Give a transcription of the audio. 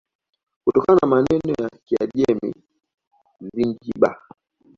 Kutokana na maneno ya Kiajem Zinjibar